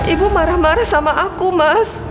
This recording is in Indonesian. ibu marah marah sama aku mas